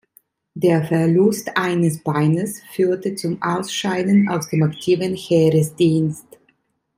Der Verlust eines Beines führte zum Ausscheiden aus dem aktiven Heeresdienst.